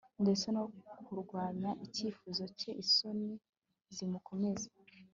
Ndetse no kurwanya icyifuzo cye isoni zimukomeza